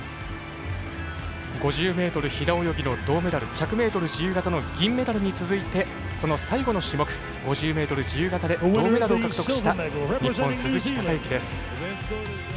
５０ｍ平泳ぎの銅メダル１００ｍ自由形の銀メダルに続いて最後の種目、５０ｍ自由形で銅メダルを獲得した日本、鈴木孝幸です。